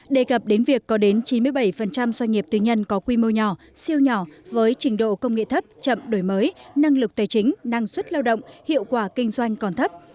đề cập đến việc có đến chín mươi bảy doanh nghiệp tư nhân có quy mô nhỏ siêu nhỏ với trình độ công nghệ thấp chậm đổi mới năng lực tài chính năng suất lao động hiệu quả kinh doanh còn thấp